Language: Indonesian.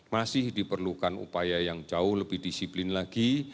masih diperlukan upaya yang jauh lebih disiplin lagi